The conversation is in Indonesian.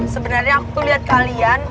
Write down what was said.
sebenernya aku liat kalian